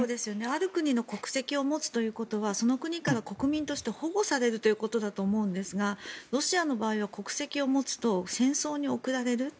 ある国の国籍を持つということはその国から国民として保護されるということだと思うんですがロシアの場合は国籍を持つと戦争に送られる。